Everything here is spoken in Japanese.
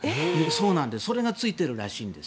それがついてるらしいんです。